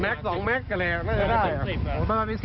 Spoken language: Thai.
มันปกติ